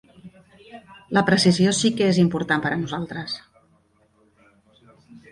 La precisió sí que és important per a nosaltres.